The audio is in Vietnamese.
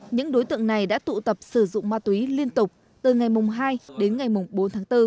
những đối tượng này đã tụ tập sử dụng ma túy liên tục từ ngày hai đến ngày bốn tháng bốn